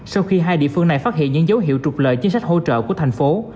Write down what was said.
sau khi hai địa phương này phát hiện những dấu hiệu trục lợi chính sách hỗ trợ của thành phố